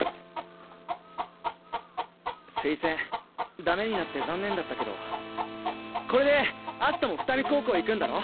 推薦駄目になって残念だったけどこれでアシトも双海高校行くんだろ？